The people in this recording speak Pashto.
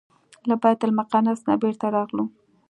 له بیت المقدس نه بیرته راغلو.